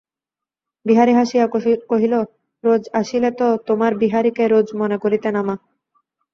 বিহারী হাসিয়া কহিল, রোজ আসিলে তো তোমার বিহারীকে রোজ মনে করিতে না, মা।